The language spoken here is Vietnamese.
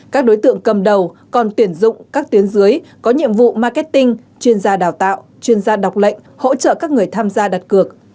các đối tượng cầm đầu còn tuyển dụng các tuyến dưới có nhiệm vụ marketing chuyên gia đào tạo chuyên gia đọc lệnh hỗ trợ các người tham gia đặt cược